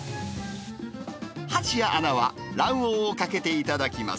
蜂谷アナは、卵黄をかけて頂きます。